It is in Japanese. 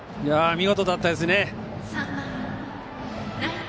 見事だったですね。